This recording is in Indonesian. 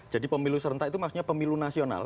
jadi pemilu serentak itu maksudnya pemilu nasional